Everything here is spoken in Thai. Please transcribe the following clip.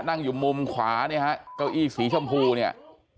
นั่งอยู่มุมขวาเนี่ยฮะเก้าอี้สีชมพูเนี่ย